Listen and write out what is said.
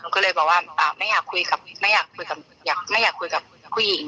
ก็เลยบอกว่าไม่อยากคุยกับผู้หญิง